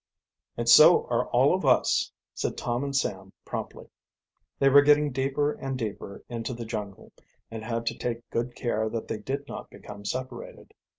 "And so are all of us," said Tom and Sam promptly. They were getting deeper and deeper into the jungle and had to take good care that they did not become separated.